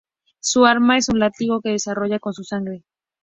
Su arma es un látigo que desarrolla con su sangre.